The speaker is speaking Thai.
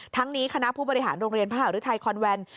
ทั้งนี้คณะผู้บริหารโรงเรียนพระหารุทัยคอนแวน